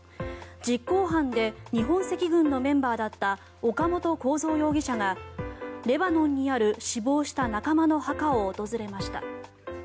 実行犯で日本赤軍のメンバーだった岡本公三容疑者がレバノンにある死亡した仲間の墓を訪れました。